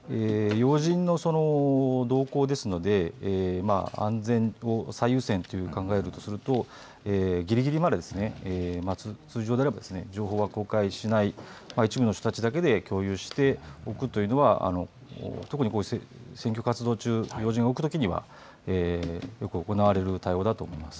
要人の動向ですので安全を最優先と考えるとぎりぎりまで通常であれば情報は公開しない、一部の人たちだけで共有しておくというのは特にこういう選挙活動中、要人が動くときにはよく行われる対応だと思います。